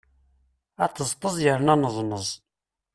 Aṭeẓṭeẓ yerna aneẓneẓ!